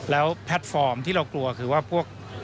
แล้วแพลตฟอร์มที่เรากลัวคือว่าพวก